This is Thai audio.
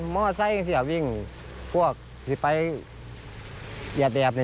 มอไซค์วิ่งพวกที่ไปอย่าแบบ